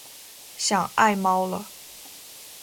想爱猫了